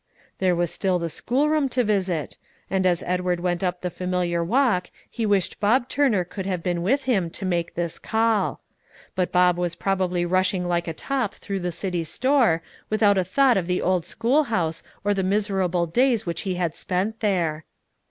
There was still the schoolroom to visit, and as Edward went up the familiar walk he wished Bob Turner could have been with him to make this call. But Bob was probably rushing like a top through the city store, without a thought of the old schoolhouse or the miserable days which he had spent there.